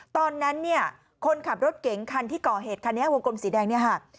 ตอนนั้นเนี่ยคนขับรถเก๋งคันที่ก่อเหตุคันนี้วงกลมสีแดงเนี่ยค่ะ